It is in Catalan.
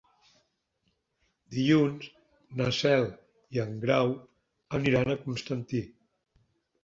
Dilluns na Cel i en Grau aniran a Constantí.